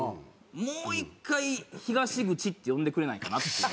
もう１回「東口」って呼んでくれないかなっていう。